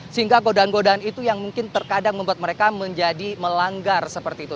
sehingga godaan godaan itu yang mungkin terkadang membuat mereka menjadi melanggar seperti itu